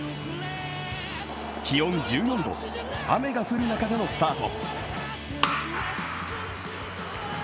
気温１４度、雨が降る中でのスタート。